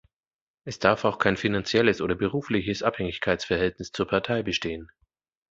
Es darf auch kein finanzielles oder berufliches Abhängigkeitsverhältnis zur Partei bestehen.